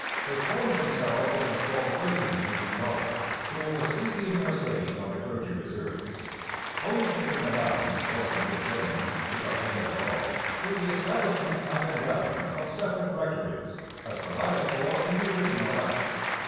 They formed themselves into a corporation in each province to oversee the administration of the Clergy Reserves. Ownership in the lands was to be obtained, if obtained at all, through the establishment and endowment of separate rectories, as provided for in the original act.